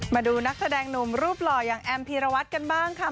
มาดูนักแสดงหนุ่มรูปหล่ออย่างแอมพีรวัตรกันบ้างค่ะ